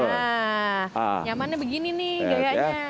nah nyamannya begini nih gayanya